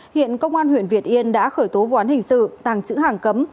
hiện công an huyện việt yên đã khởi tố vụ án hình sự tàng chữ hàng cấm